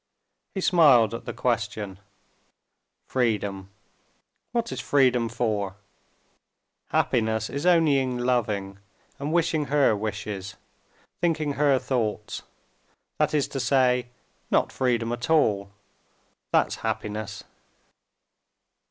He smiled at the question. "Freedom! What is freedom for? Happiness is only in loving and wishing her wishes, thinking her thoughts, that is to say, not freedom at all—that's happiness!"